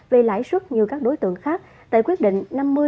về lãi suất như các đối tượng khác tại quyết định năm mươi hai nghìn một mươi năm